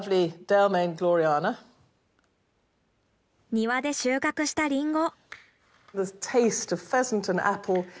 庭で収穫したリンゴ。